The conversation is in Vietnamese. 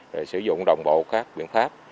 rồi sử dụng đồng bộ các biện pháp